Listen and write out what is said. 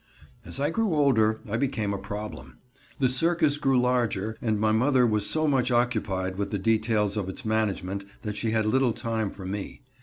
As I grew older I became a problem. The circus grew larger and my mother was so much occupied with the details of its management that she had little time for me.